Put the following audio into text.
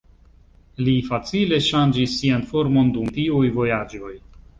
Li facile ŝanĝis sian formon dum tiuj vojaĝoj.